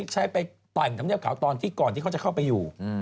ใช้ไปแต่งธรรมเนียบขาวตอนที่ก่อนที่เขาจะเข้าไปอยู่